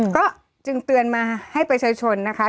ก็จึงเตือนมาให้ประชาชนนะคะ